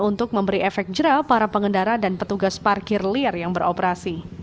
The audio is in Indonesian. untuk memberi efek jerah para pengendara dan petugas parkir liar yang beroperasi